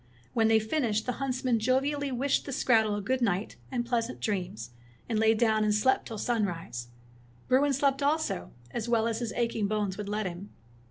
When they finished, the huntsman jovially wished the skrattel a good night and pleasant dreams, and lay down and slept till sunrise. Bruin slept also, as well as his aching bones would let him.